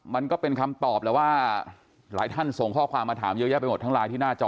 มันก็เป็นคำตอบแหละว่าหลายท่านส่งข้อความมาถามเยอะแยะไปหมดทั้งไลน์ที่หน้าจอ